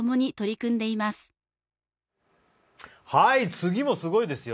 次もすごいですよ。